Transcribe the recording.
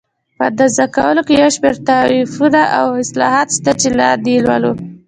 په اندازه کولو کې یو شمېر تعریفونه او اصلاحات شته چې لاندې یې لولو.